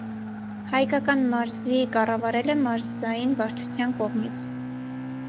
Հայկական մարզի կառավարել է մարզային վարչության կողմից։